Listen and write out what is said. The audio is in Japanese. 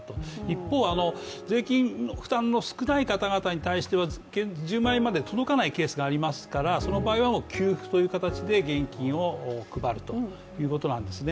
一方、税金の負担の少ない方々に関しては１０万円まで届かないケースがありますからその場合は給付という形で現金を配るということなんですね。